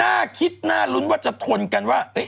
น่าคิดน่าลุ้นว่าจะทนกันว่า